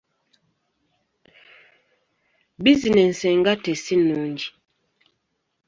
bizineesi engatte si nnungi.